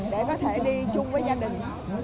để có thể đi chung với gia đình